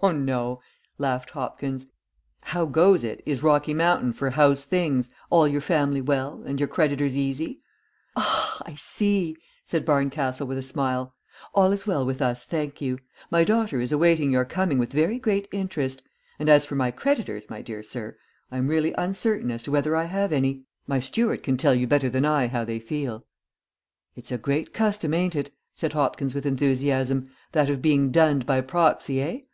"Oh, no," laughed Hopkins. "How goes it is Rocky Mountain for how's things, all your family well, and your creditors easy?" "Ah! I see," said Barncastle with a smile. "All is well with us, thank you. My daughter is awaiting your coming with very great interest; and as for my creditors, my dear sir, I am really uncertain as to whether I have any. My steward can tell you better than I how they feel." "It's a great custom, ain't it?" said Hopkins with enthusiasm, "that of being dunned by proxy, eh?